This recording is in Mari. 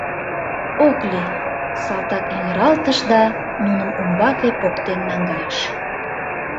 «Ок лий», — салтак эҥыралтыш да нуным умбаке поктен наҥгайыш.